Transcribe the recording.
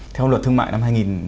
theo luật thương mại năm hai nghìn năm